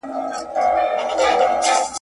چي د بادام له شګوفو مي تکي سرې وي وني ..